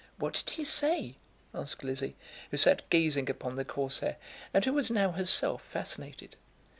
"What did he say?" asked Lizzie, who sat gazing upon the Corsair, and who was now herself fascinated.